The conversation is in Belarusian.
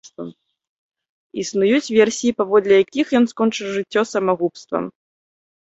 Існуюць версіі, паводле якіх ён скончыў жыццё самагубствам.